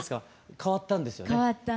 変わったんですよ。